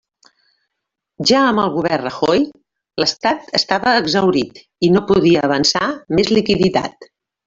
Ja amb el Govern Rajoy, l'Estat estava exhaurit i no podia avançar més liquiditat.